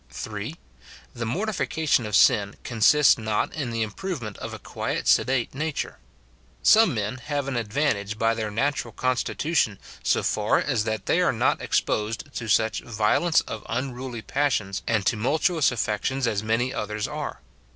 (3.) The mortification of sin consists not in the im provement of a quiet, sedate nature. Some men have an advantage by their natural constitution so far as that SIN IN BELIEVERS. 185 they are not exposed to such violence of unruly passions and tumultuous aiFections as many others are.